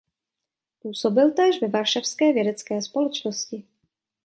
Působil též ve Varšavské vědecké společnosti.